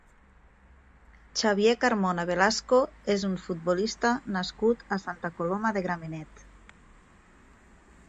Xavier Carmona Velasco és un futbolista nascut a Santa Coloma de Gramenet.